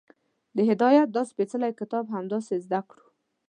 د هدایت دا سپېڅلی کتاب هغسې زده کړو